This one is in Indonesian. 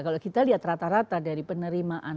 kalau kita lihat rata rata dari penerimaan